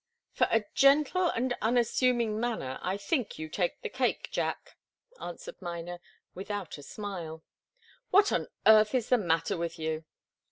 "For a gentle and unassuming manner, I think you take the cake, Jack," answered Miner, without a smile. "What on earth is the matter with you?